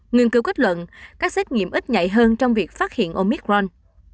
nghiên cứu kết luận các xét nghiệm ít nhạy hơn trong việc phát hiện omicron